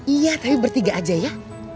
iya tapi bertiga aja ya